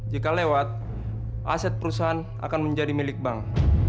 jika lewat aset perusahaan akan menjadi milik bank